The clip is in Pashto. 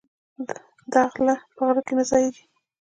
دغله په غره کی نه ځاييږي